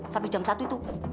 sampai jam satu itu